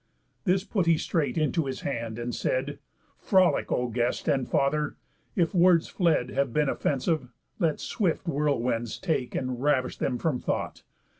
This put he straight into his hand, and said: "Frolic, O guest and father; if words fled Have been offensive, let swift whirlwinds take And ravish them from thought.